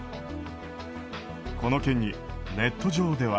この件に、ネット上では。